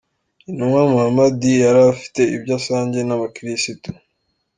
Intumwa Muhamadi yari afite ibyo asangiye n’Abakirisitu